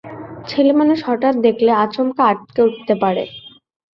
ছেলেমানুষ হঠাৎ দেখলে আচমকা আঁতকে উঠতে পারে।